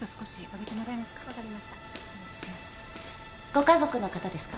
ご家族の方ですか？